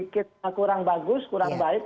kurang bagus kurang baik